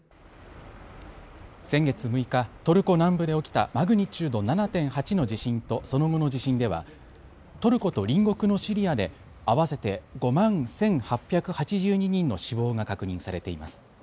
先月６日、トルコ南部で起きたマグニチュード７．８の地震とその後の地震ではトルコと隣国のシリアで合わせて５万１８８２人の死亡が確認されています。